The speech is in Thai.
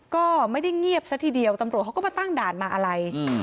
ก็ไม่ได้เงียบซะทีเดียวตำรวจเขาก็มาตั้งด่านมาอะไร